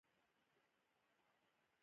هلک د مینې نښه ده.